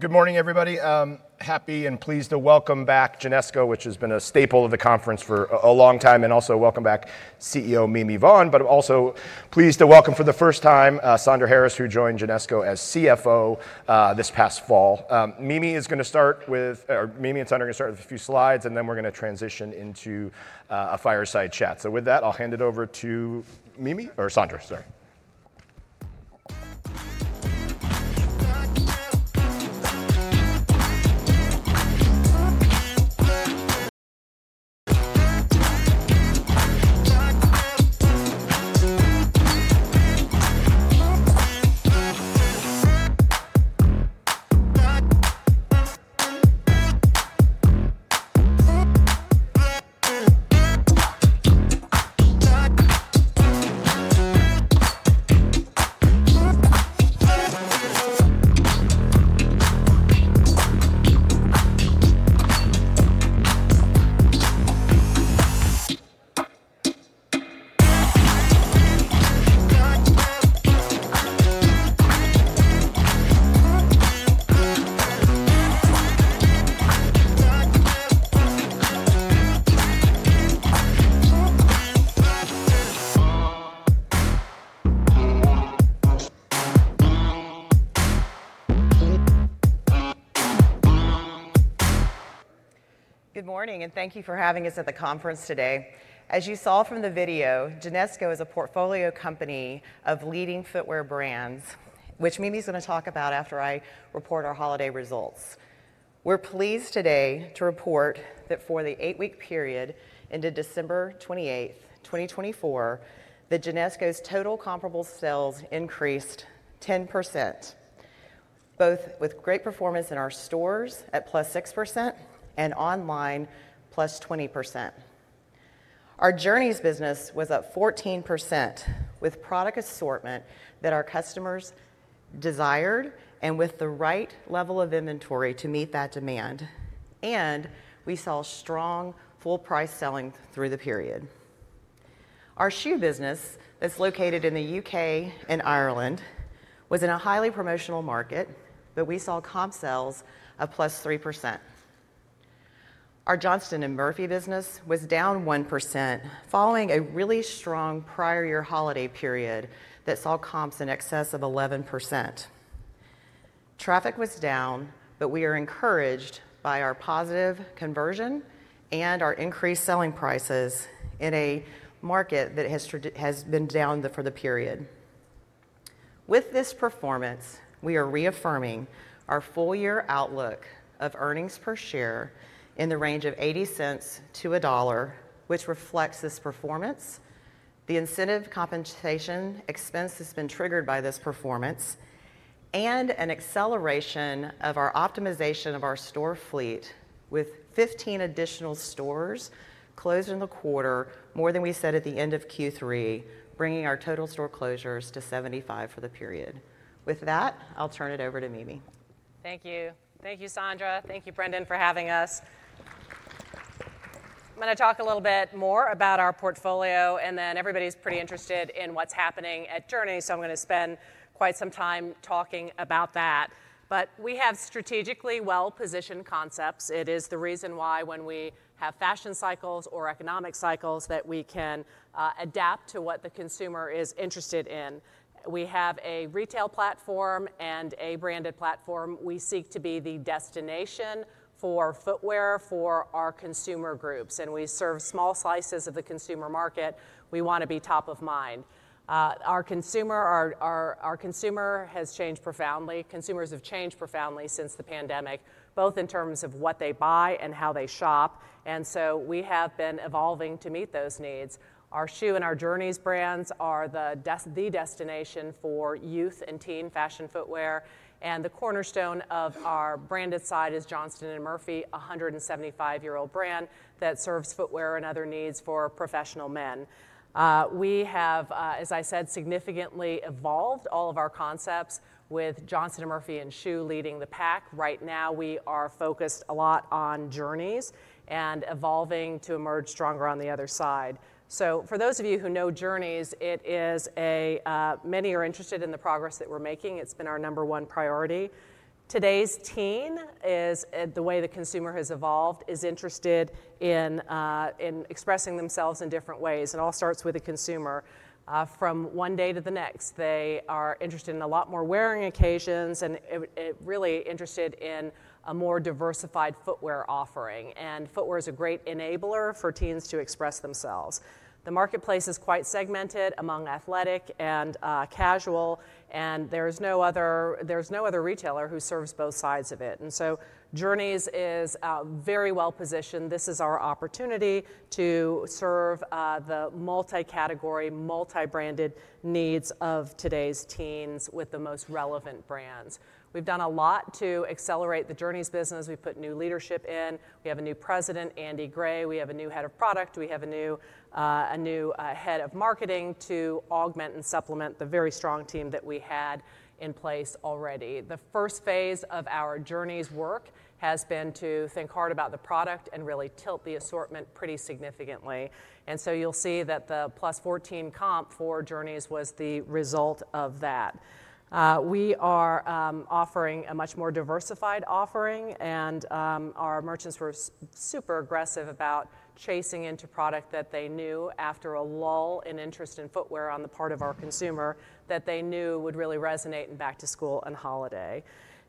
Good morning, everybody. Happy and pleased to welcome back Genesco, which has been a staple of the conference for a long time, and also welcome back CEO Mimi Vaughn, but also pleased to welcome for the first time Sandra Harris, who joined Genesco as CFO this past fall. Mimi is going to start with, or Mimi and Sandra are going to start with a few slides, and then we're going to transition into a fireside chat. So with that, I'll hand it over to Mimi, or Sandra, sorry. Good morning, and thank you for having us at the conference today. As you saw from the video, Genesco is a portfolio company of leading footwear brands, which Mimi's going to talk about after I report our holiday results. We're pleased today to report that for the eight-week period into December 28, 2024, that Genesco's total comparable sales increased 10%, both with great performance in our stores at plus 6% and online plus 20%. Our Journeys business was up 14% with product assortment that our customers desired and with the right level of inventory to meet that demand, and we saw strong full-price selling through the period. Our Schuh business that's located in the U.K. and Ireland was in a highly promotional market, but we saw comp sales of plus 3%. Our Johnston & Murphy business was down 1% following a really strong prior year holiday period that saw comps in excess of 11%. Traffic was down, but we are encouraged by our positive conversion and our increased selling prices in a market that has been down for the period. With this performance, we are reaffirming our full-year outlook of earnings per share in the range of $0.80-$1, which reflects this performance. The incentive compensation expense has been triggered by this performance and an acceleration of our optimization of our store fleet with 15 additional stores closed in the quarter, more than we said at the end of Q3, bringing our total store closures to 75 for the period. With that, I'll turn it over to Mimi. Thank you. Thank you, Sandra. Thank you, Brendan, for having us. I'm going to talk a little bit more about our portfolio, and then everybody's pretty interested in what's happening at Journeys, so I'm going to spend quite some time talking about that, but we have strategically well-positioned concepts. It is the reason why when we have fashion cycles or economic cycles that we can adapt to what the consumer is interested in. We have a retail platform and a branded platform. We seek to be the destination for footwear for our consumer groups, and we serve small slices of the consumer market. We want to be top of mind. Our consumer has changed profoundly. Consumers have changed profoundly since the pandemic, both in terms of what they buy and how they shop, and so we have been evolving to meet those needs. Our Schuh and our Journeys brands are the destination for youth and teen fashion footwear, and the cornerstone of our branded side is Johnston & Murphy, a 175-year-old brand that serves footwear and other needs for professional men. We have, as I said, significantly evolved all of our concepts with Johnston & Murphy and Schuh leading the pack. Right now, we are focused a lot on Journeys and evolving to emerge stronger on the other side. For those of you who know Journeys, it is. Many are interested in the progress that we're making. It's been our number one priority. Today's teen is, the way the consumer has evolved, is interested in expressing themselves in different ways. It all starts with a consumer from one day to the next. They are interested in a lot more wearing occasions and really interested in a more diversified footwear offering. And footwear is a great enabler for teens to express themselves. The marketplace is quite segmented among athletic and casual, and there's no other retailer who serves both sides of it. And so Journeys is very well positioned. This is our opportunity to serve the multi-category, multi-branded needs of today's teens with the most relevant brands. We've done a lot to accelerate the Journeys business. We've put new leadership in. We have a new president, Andy Gray. We have a new head of product. We have a new head of marketing to augment and supplement the very strong team that we had in place already. The first phase of our Journeys work has been to think hard about the product and really tilt the assortment pretty significantly. And so you'll see that the plus 14 comp for Journeys was the result of that. We are offering a much more diversified offering, and our merchants were super aggressive about chasing into product that they knew after a lull in interest in footwear on the part of our consumer that they knew would really resonate in back to school and holiday.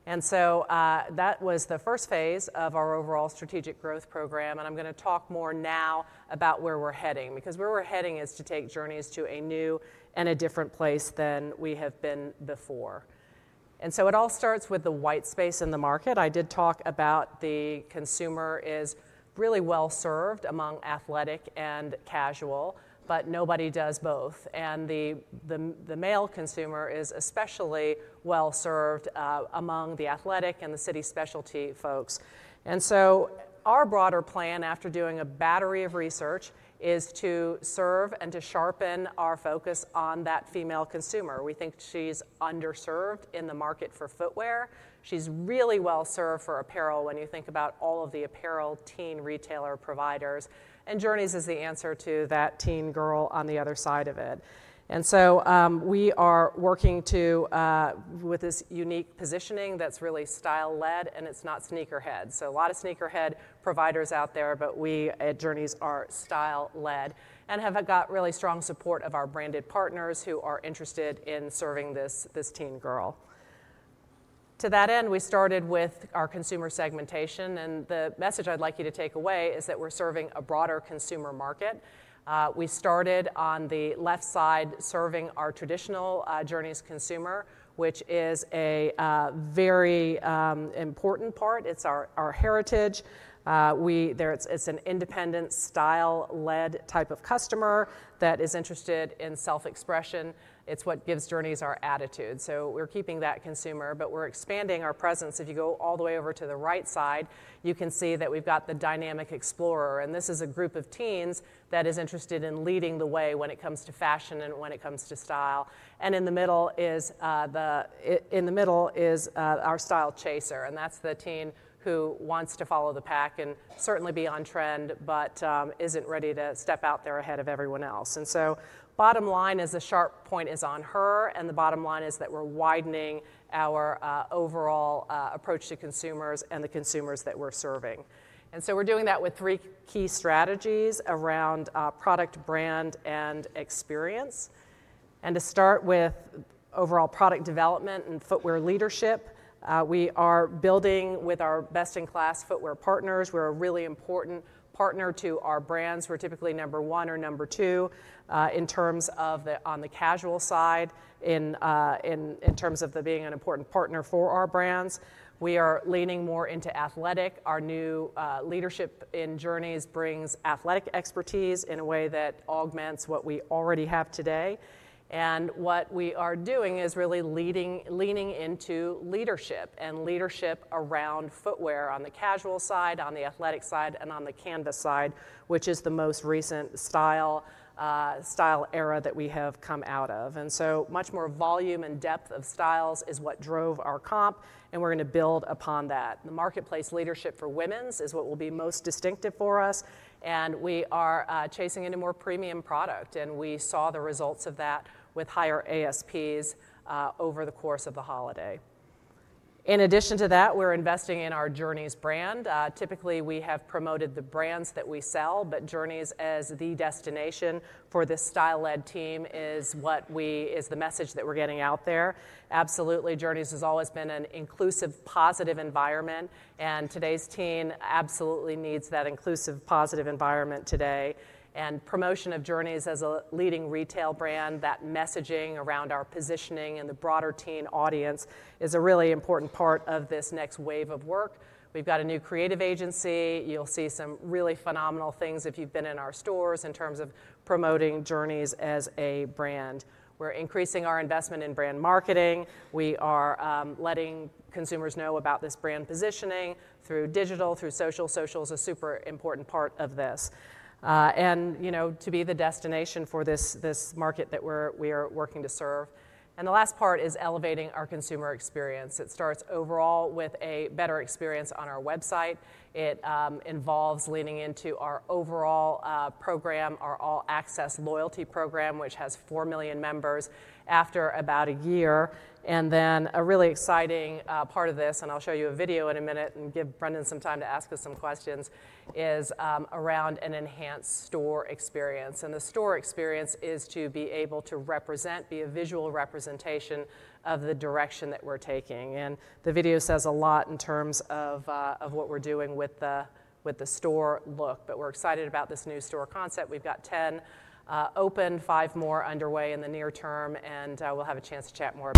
And so that was the first phase of our overall strategic growth program, and I'm going to talk more now about where we're heading, because where we're heading is to take Journeys to a new and a different place than we have been before. And so it all starts with the white space in the market. I did talk about the consumer is really well served among athletic and casual, but nobody does both. And the male consumer is especially well served among the athletic and the city specialty folks. And so our broader plan after doing a battery of research is to serve and to sharpen our focus on that female consumer. We think she's underserved in the market for footwear. She's really well served for apparel when you think about all of the apparel teen retailer providers, and Journeys is the answer to that teen girl on the other side of it. And so we are working with this unique positioning that's really style-led, and it's not sneakerhead. So a lot of sneakerhead providers out there, but we at Journeys are style-led and have got really strong support of our branded partners who are interested in serving this teen girl. To that end, we started with our consumer segmentation, and the message I'd like you to take away is that we're serving a broader consumer market. We started on the left side serving our traditional Journeys consumer, which is a very important part. It's our heritage. who wants to follow the pack and certainly be on trend, but isn't ready to step out there ahead of everyone else. And so bottom line is a sharp point is on her. And the bottom line is that we're widening our overall approach to consumers and the consumers that we're serving. And so we're doing that with three key strategies around product brand and experience. And to start with overall product development and footwear leadership, we are building with our best-in-class footwear partners. We're a really important partner to our brands. We're typically number one or number two in terms of on the casual side in terms of being an important partner for our brands. We are leaning more into athletic. Our new leadership in Journeys brings athletic expertise in a way that augments what we already have today. And what we are doing is really leaning into leadership and leadership around footwear on the casual side, on the athletic side, and on the canvas side, which is the most recent style era that we have come out of. And so much more volume and depth of styles is what drove our comp, and we're going to build upon that. The marketplace leadership for women's is what will be most distinctive for us. And we are chasing into more premium product. And we saw the results of that with higher ASPs over the course of the holiday. In addition to that, we're investing in our Journeys brand. Typically, we have promoted the brands that we sell, but Journeys as the destination for this style-led teen is what our message is that we're getting out there. Absolutely. Journeys has always been an inclusive, positive environment. And today's teen absolutely needs that inclusive, positive environment today. And promotion of Journeys as a leading retail brand, that messaging around our positioning and the broader teen audience is a really important part of this next wave of work. We've got a new creative agency. You'll see some really phenomenal things if you've been in our stores in terms of promoting Journeys as a brand. We're increasing our investment in brand marketing. We are letting consumers know about this brand positioning through digital, through social. Social is a super important part of this, and to be the destination for this market that we are working to serve, and the last part is elevating our consumer experience. It starts overall with a better experience on our website. It involves leaning into our overall program, our All Access Loyalty Program, which has four million members after about a year, and then a really exciting part of this, and I'll show you a video in a minute and give Brendan some time to ask us some questions, is around an enhanced store experience. And the store experience is to be able to represent, be a visual representation of the direction that we're taking. And the video says a lot in terms of what we're doing with the store look. But we're excited about this new store concept. We've got 10 open, five more underway in the near term, and we'll have a chance to chat more.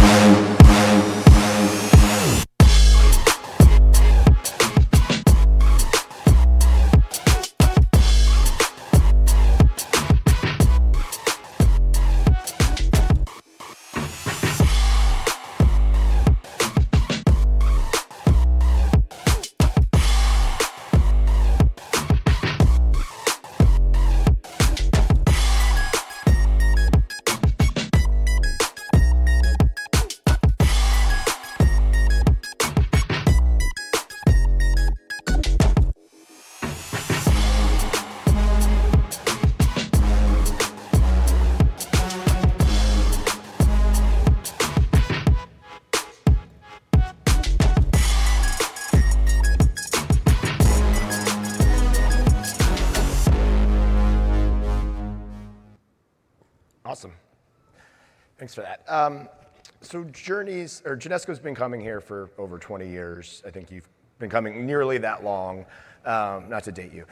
Awesome. Thanks for that. So Journeys or Genesco has been coming here for over 20 years. I think you've been coming nearly that long. Not to date you.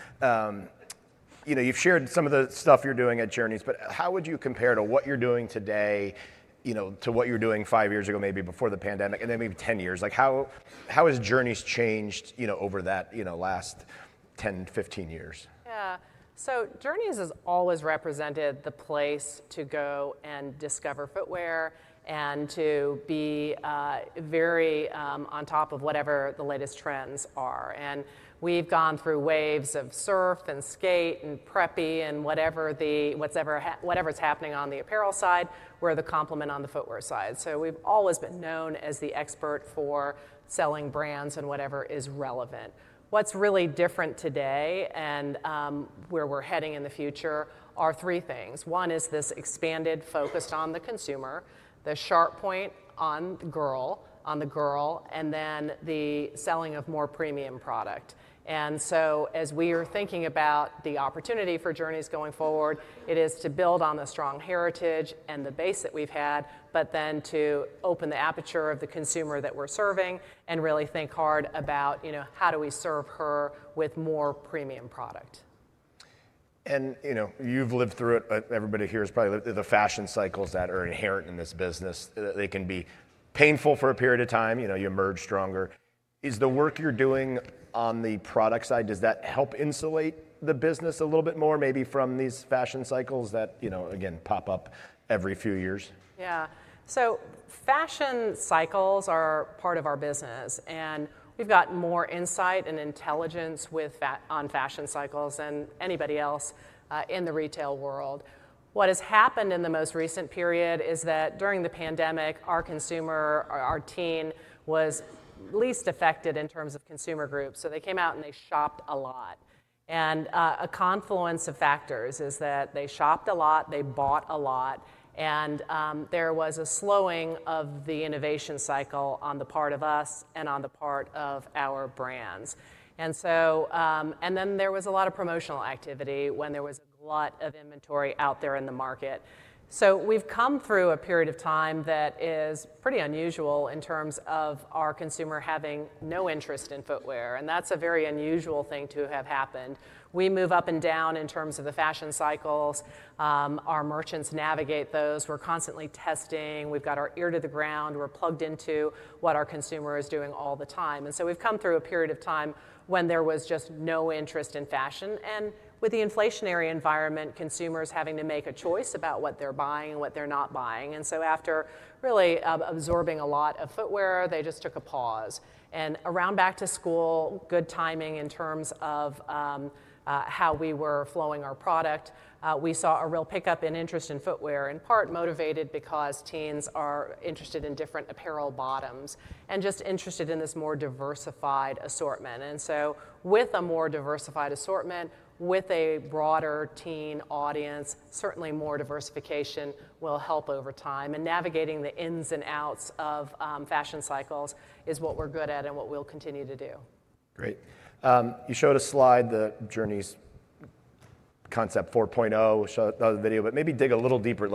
You've shared some of the stuff you're doing at Journeys, but how would you compare to what you're doing today to what you were doing five years ago, maybe before the pandemic, and then maybe 10 years? How has Journeys changed over that last 10, 15 years? Yeah. So Journeys has always represented the place to go and discover footwear and to be very on top of whatever the latest trends are. And we've gone through waves of surf and skate and preppy and whatever's happening on the apparel side where the complement on the footwear side. So we've always been known as the expert for selling brands and whatever is relevant. What's really different today and where we're heading in the future are three things. One is this expanded focus on the consumer, the sharp point on the girl, and then the selling of more premium product. And so as we are thinking about the opportunity for Journeys going forward, it is to build on the strong heritage and the base that we've had, but then to open the aperture of the consumer that we're serving and really think hard about how do we serve her with more premium product. And you've lived through it. Everybody here has probably lived through the fashion cycles that are inherent in this business. They can be painful for a period of time. You emerge stronger. Is the work you're doing on the product side, does that help insulate the business a little bit more maybe from these fashion cycles that, again, pop up every few years? Yeah. So fashion cycles are part of our business, and we've got more insight and intelligence on fashion cycles than anybody else in the retail world. What has happened in the most recent period is that during the pandemic, our consumer, our teen was least affected in terms of consumer groups, so they came out and they shopped a lot, and a confluence of factors is that they shopped a lot, they bought a lot, and there was a slowing of the innovation cycle on the part of us and on the part of our brands, and then there was a lot of promotional activity when there was a glut of inventory out there in the market, so we've come through a period of time that is pretty unusual in terms of our consumer having no interest in footwear, and that's a very unusual thing to have happened. We move up and down in terms of the fashion cycles. Our merchants navigate those. We're constantly testing. We've got our ear to the ground. We're plugged into what our consumer is doing all the time, and so we've come through a period of time when there was just no interest in fashion, and with the inflationary environment, consumers having to make a choice about what they're buying and what they're not buying, and so after really absorbing a lot of footwear, they just took a pause, and around back to school, good timing in terms of how we were flowing our product, we saw a real pickup in interest in footwear, in part motivated because teens are interested in different apparel bottoms and just interested in this more diversified assortment, and so with a more diversified assortment, with a broader teen audience, certainly more diversification will help over time. Navigating the ins and outs of fashion cycles is what we're good at and what we'll continue to do. Great. You showed a slide, the Journeys Concept 4.0, showed another video, but maybe dig a little deeper.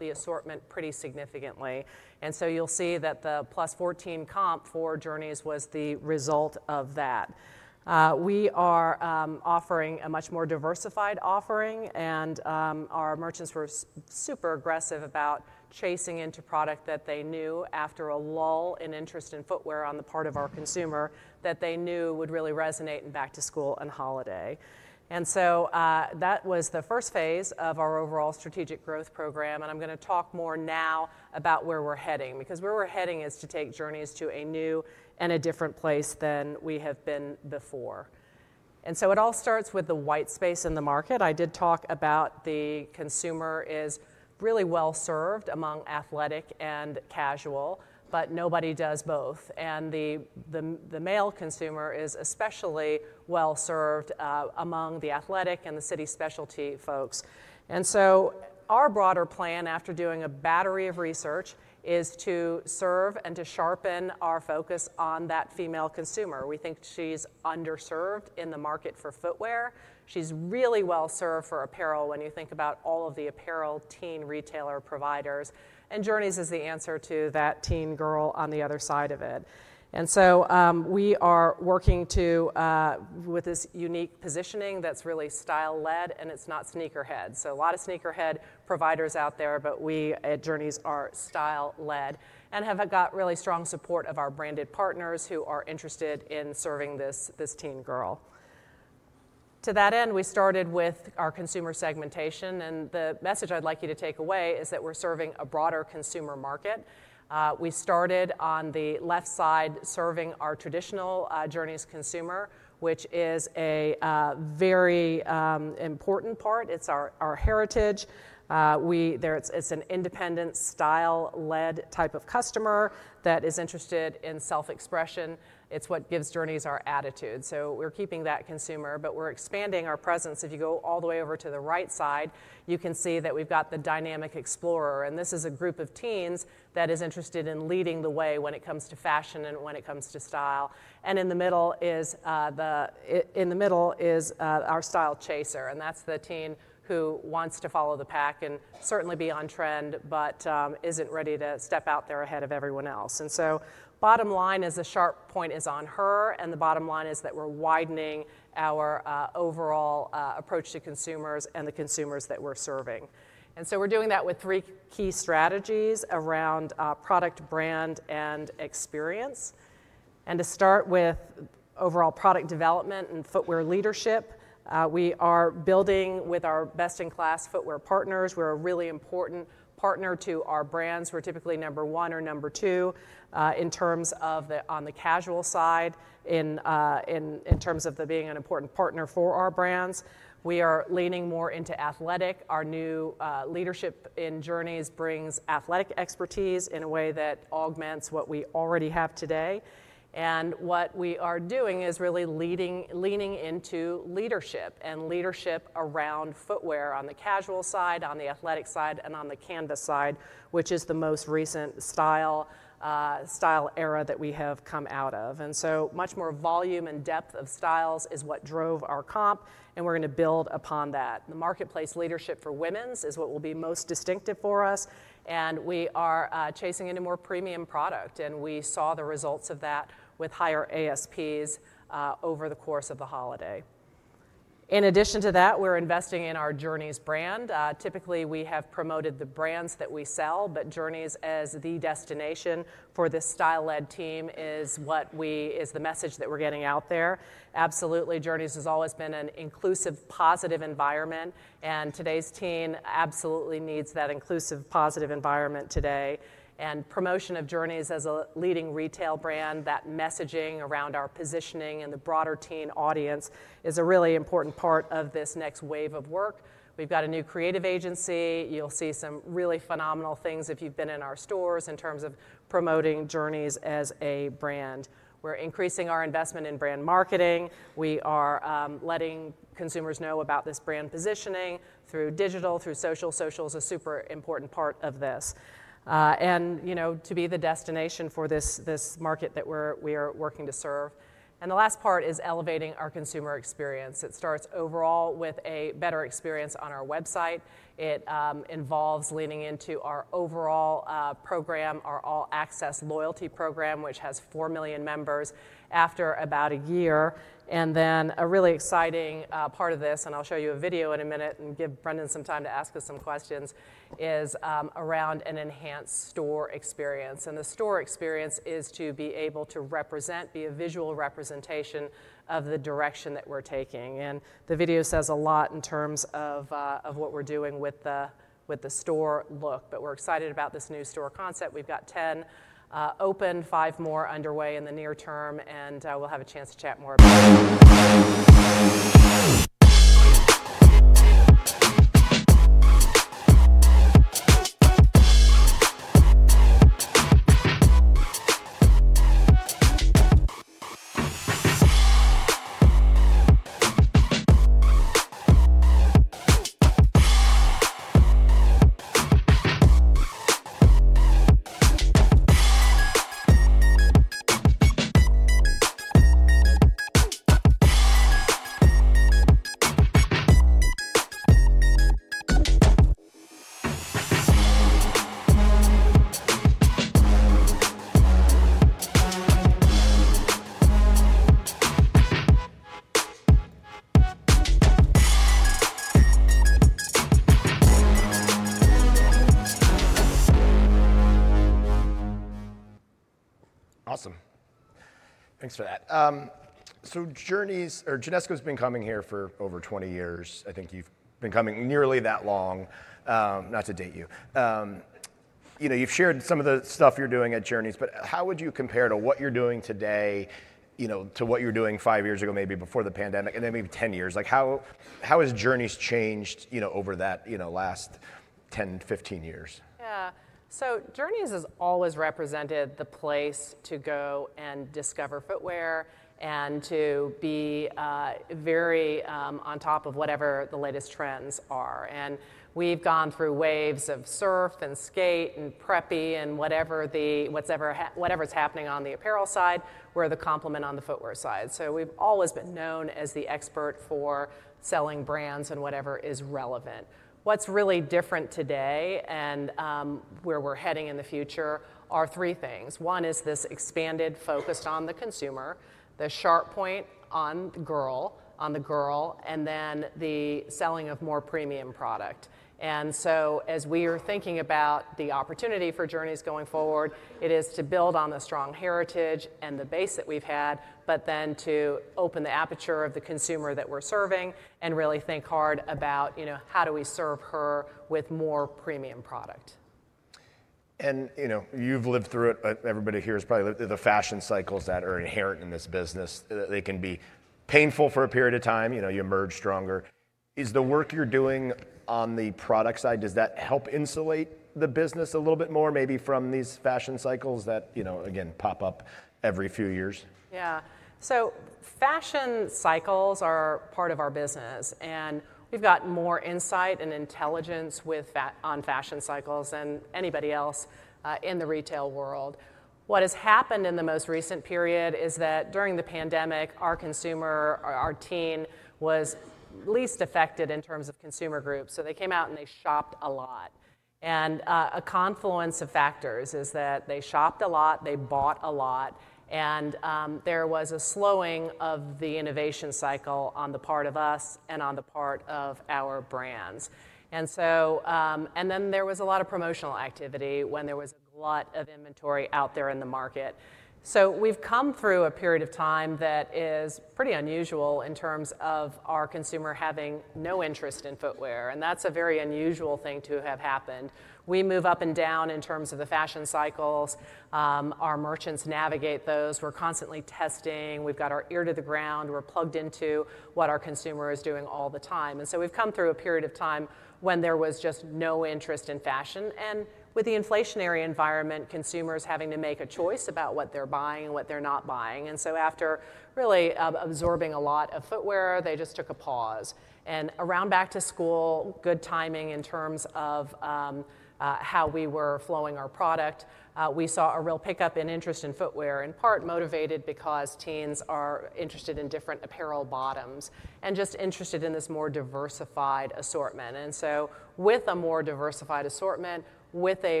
What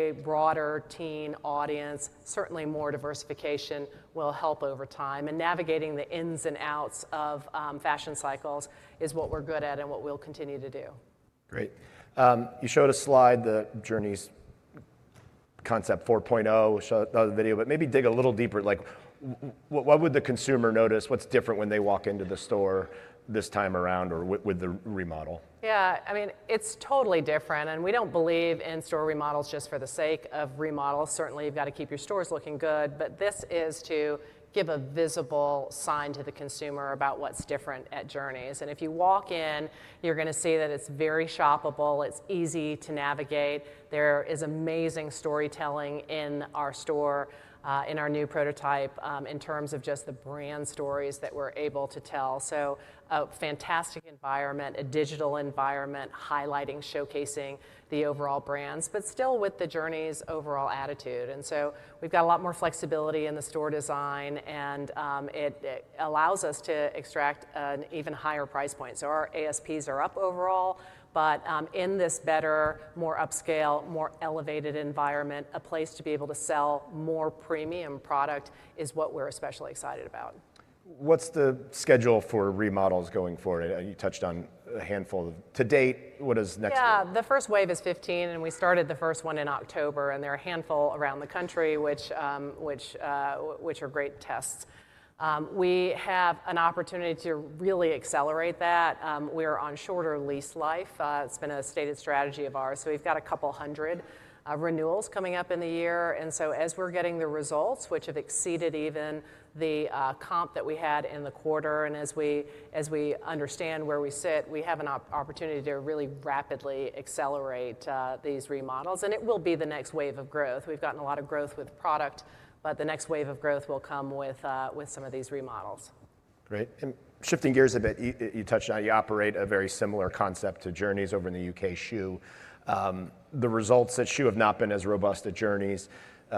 would the consumer notice? What's different when they walk into the store this time around or with the remodel? Yeah. I mean, it's totally different. And we don't believe in store remodels just for the sake of remodels. Certainly, you've got to keep your stores looking good. But this is to give a visible sign to the consumer about what's different at Journeys. And if you walk in, you're going to see that it's very shoppable. It's easy to navigate. There is amazing storytelling in our store, in our new prototype in terms of just the brand stories that we're able to tell. So a fantastic environment, a digital environment highlighting, showcasing the overall brands, but still with the Journeys overall attitude. And so we've got a lot more flexibility in the store design, and it allows us to extract an even higher price point. So our ASPs are up overall, but in this better, more upscale, more elevated environment, a place to be able to sell more premium product is what we're especially excited about. What's the schedule for remodels going forward? You touched on a handful to date. What is next? Yeah. The first wave is 15, and we started the first one in October. And there are a handful around the country, which are great tests. We have an opportunity to really accelerate that. We are on shorter lease life. It's been a stated strategy of ours. So we've got a couple hundred renewals coming up in the year. And so as we're getting the results, which have exceeded even the comp that we had in the quarter, and as we understand where we sit, we have an opportunity to really rapidly accelerate these remodels. And it will be the next wave of growth. We've gotten a lot of growth with product, but the next wave of growth will come with some of these remodels. Great. And shifting gears a bit, you touched on you operate a very similar concept to Journeys over in the U.K., Schuh. The results at Schuh have not been as robust at Journeys.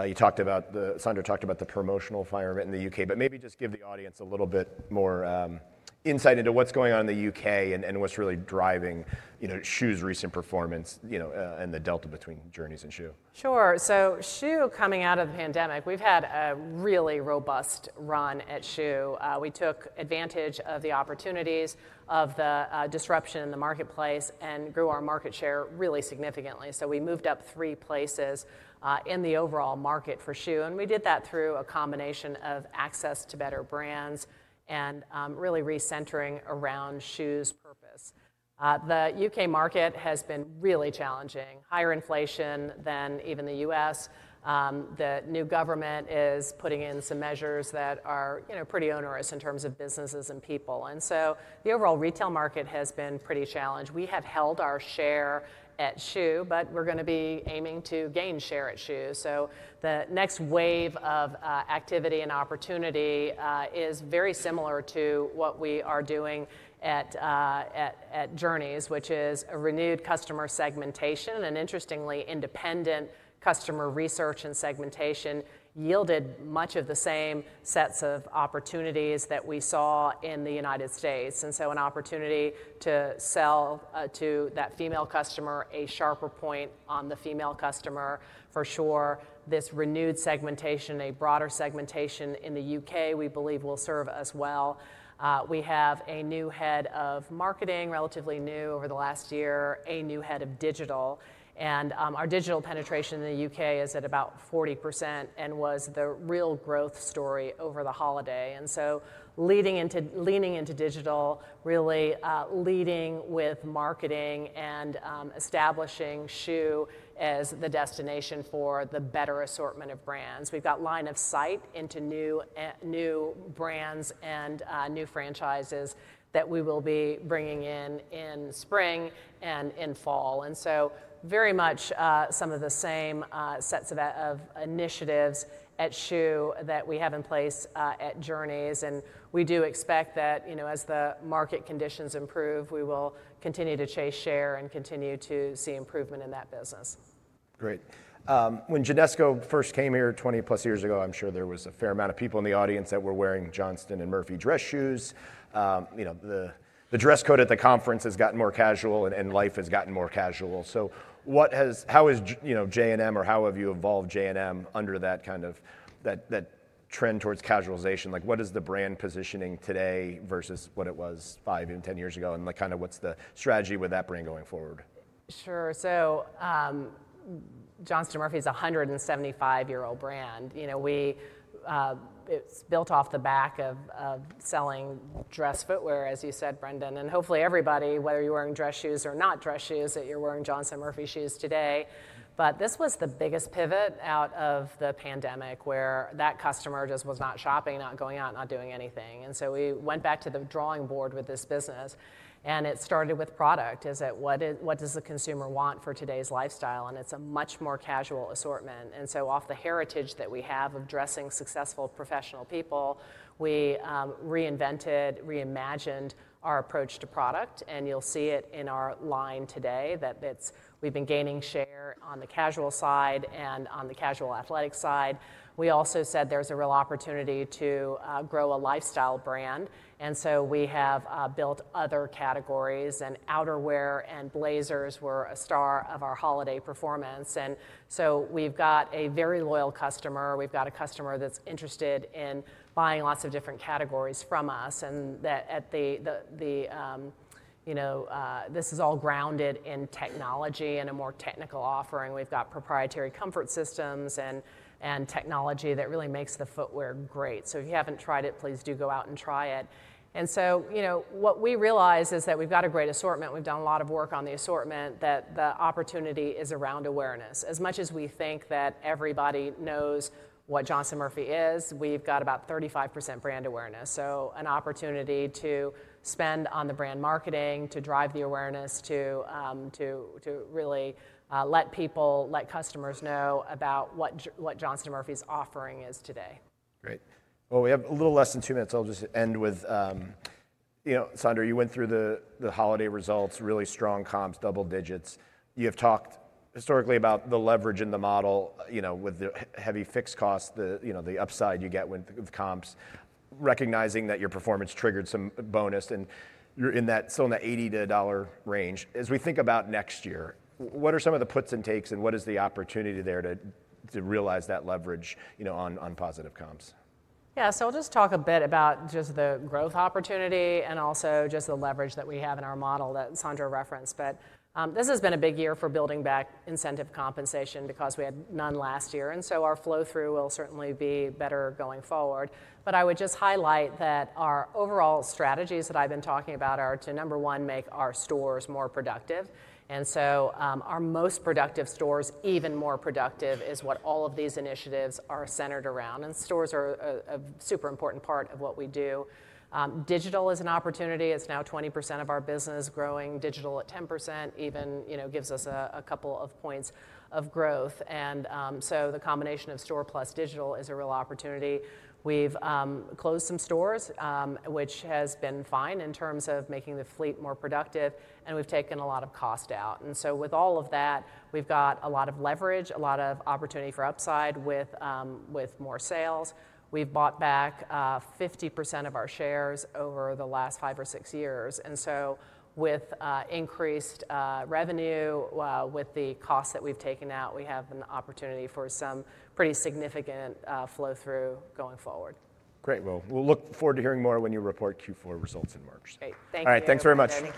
You talked about the Sandra talked about the promotional environment in the U.K., but maybe just give the audience a little bit more insight into what's going on in the U.K. and what's really driving Schuh's recent performance and the delta between Journeys and Schuh. Sure. So Schuh coming out of the pandemic, we've had a really robust run at Schuh. We took advantage of the opportunities of the disruption in the marketplace and grew our market share really significantly. So we moved up three places in the overall market for Schuh. And we did that through a combination of access to better brands and really recentering around Schuh's purpose. The U.K. market has been really challenging, higher inflation than even the U.S. The new government is putting in some measures that are pretty onerous in terms of businesses and people. And so the overall retail market has been pretty challenged. We have held our share at Schuh, but we're going to be aiming to gain share at Schuh. The next wave of activity and opportunity is very similar to what we are doing at Journeys, which is renewed customer segmentation. Interestingly, independent customer research and segmentation yielded much of the same sets of opportunities that we saw in the United States. And so an opportunity to sell to that female customer, a sharper point on the female customer for sure. This renewed segmentation, a broader segmentation in the UK, we believe will serve us well. We have a new head of marketing, relatively new over the last year, a new head of digital. And our digital penetration in the UK is at about 40% and was the real growth story over the holiday. And so leaning into digital, really leading with marketing and establishing Schuh as the destination for the better assortment of brands. We've got line of sight into new brands and new franchises that we will be bringing in in spring and in fall. And so very much some of the same sets of initiatives at Schuh that we have in place at Journeys. And we do expect that as the market conditions improve, we will continue to chase share and continue to see improvement in that business. Great. When Genesco first came here 20 plus years ago, I'm sure there was a fair amount of people in the audience that were wearing Johnston & Murphy dress shoes. The dress code at the conference has gotten more casual and life has gotten more casual. So how has J&M or how have you evolved J&M under that kind of trend towards casualization? What is the brand positioning today versus what it was five and 10 years ago? And kind of what's the strategy with that brand going forward? Sure. So Johnston & Murphy is a 175-year-old brand. It's built off the back of selling dress footwear, as you said, Brendan, and hopefully everybody, whether you're wearing dress shoes or not dress shoes, that you're wearing Johnston & Murphy shoes today. But this was the biggest pivot out of the pandemic where that customer just was not shopping, not going out, not doing anything. And so we went back to the drawing board with this business. And it started with product. What does the consumer want for today's lifestyle? And it's a much more casual assortment. And so off the heritage that we have of dressing successful professional people, we reinvented, reimagined our approach to product. And you'll see it in our line today that we've been gaining share on the casual side and on the casual athletic side. We also said there's a real opportunity to grow a lifestyle brand. And so we have built other categories. And outerwear and blazers were a star of our holiday performance. And so we've got a very loyal customer. We've got a customer that's interested in buying lots of different categories from us. And this is all grounded in technology and a more technical offering. We've got proprietary comfort systems and technology that really makes the footwear great. So if you haven't tried it, please do go out and try it. And so what we realize is that we've got a great assortment. We've done a lot of work on the assortment that the opportunity is around awareness. As much as we think that everybody knows what Johnston & Murphy is, we've got about 35% brand awareness. An opportunity to spend on the brand marketing, to drive the awareness, to really let people, let customers know about what Johnston & Murphy's offering is today. Great. Well, we have a little less than two minutes. I'll just end with Sandra, you went through the holiday results, really strong comps, double digits. You have talked historically about the leverage in the model with the heavy fixed costs, the upside you get with comps, recognizing that your performance triggered some bonus and you're still in that $80 range. As we think about next year, what are some of the puts and takes and what is the opportunity there to realize that leverage on positive comps? Yeah. So I'll just talk a bit about just the growth opportunity and also just the leverage that we have in our model that Sandra referenced. But this has been a big year for building back incentive compensation because we had none last year. And so our flow through will certainly be better going forward. But I would just highlight that our overall strategies that I've been talking about are to number one, make our stores more productive. And so our most productive stores, even more productive, is what all of these initiatives are centered around. And stores are a super important part of what we do. Digital is an opportunity. It's now 20% of our business, growing digital at 10%, even gives us a couple of points of growth. And so the combination of store plus digital is a real opportunity. We've closed some stores, which has been fine in terms of making the fleet more productive, and we've taken a lot of cost out. And so with all of that, we've got a lot of leverage, a lot of opportunity for upside with more sales. We've bought back 50% of our shares over the last five or six years. And so with increased revenue, with the costs that we've taken out, we have an opportunity for some pretty significant flow through going forward. Great. Well, we'll look forward to hearing more when you report Q4 results in March. Great. Thank you. All right. Thanks very much.